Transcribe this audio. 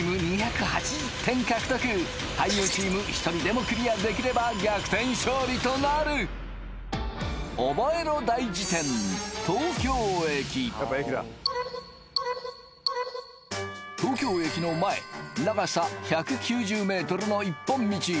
獲得俳優チーム１人でもクリアできれば逆転勝利となるオボエロ大事典東京駅東京駅の前長さ１９０ｍの一本道